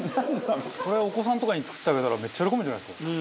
これお子さんとかに作ってあげたらめっちゃ喜ぶんじゃないですか？